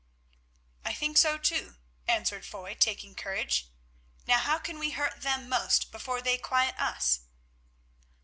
"I think so too," answered Foy, taking courage. "Now how can we hurt them most before they quiet us?"